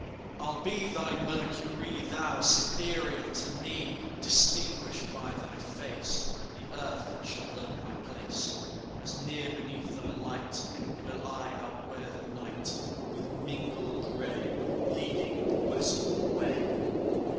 "I'll be thy Mercury, Thou, Cytherea to me, Distinguished by thy face The earth shall learn my place. As near beneath thy light Will I outwear the night, With mingled ray Leading the westward way."